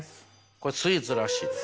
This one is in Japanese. これスイーツらしいです。